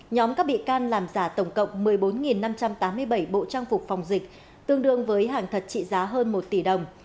nhóm các bị can làm giả tổng cộng một mươi bốn năm trăm tám mươi bảy bộ trang phục phòng dịch tương đương với hàng thật trị giá hơn một tỷ đồng